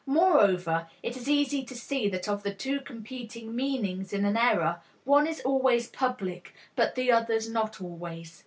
Moreover, it is easy to see that of the two competing meanings in an error, one is always public, but the other not always.